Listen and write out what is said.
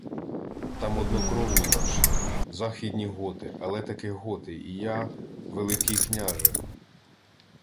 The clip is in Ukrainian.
— Там однокровні наші. Західні готи, але таки готи, і я. Великий княже...